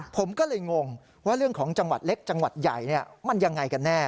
ผมก็เลยงงว่าเรื่องของจังหวัดเล็กจังหวัดใหญ่มันยังไงกันแน่